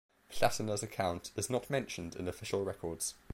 Platina's account is not mentioned in official records.